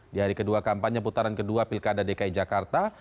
di hari kedua kampanye putaran kedua pilkada dki jakarta